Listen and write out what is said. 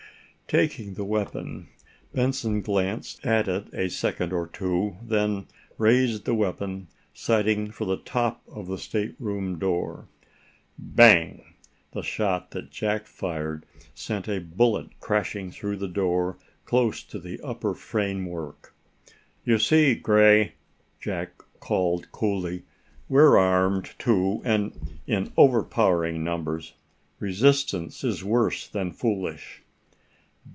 Taking the weapon, Benson glanced at it a second or two, then raised the weapon, sighting for the top of the stateroom door. Bang! The shot that Jack fired sent a bullet crashing through the door close to the upper framework. "You see, Gray!" Jack called coolly, "we're armed, too, and in overpowering numbers. Resistance is worse than foolish."